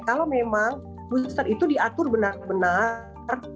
kalau memang booster itu diatur benar benar